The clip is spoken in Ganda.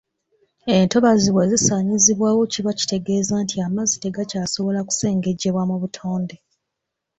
Entobazi bwe zisaanyizibwawo kiba kitegeeza nti amazzi tegakyasobola kusengejjebwa mu butonde.